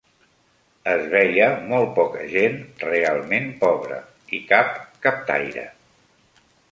Es veia molt poca gent realment pobra, i cap captaire